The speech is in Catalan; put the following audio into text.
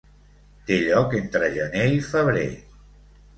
Té lloc entre gener i febrer.